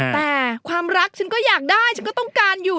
แต่ความรักฉันก็อยากได้ฉันก็ต้องการอยู่